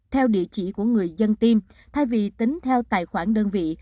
theo địa chỉ của người dân tim thay vì tính theo tài khoản đơn vị